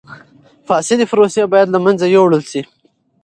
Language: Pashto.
فاسدی پروسې باید له منځه یوړل شي.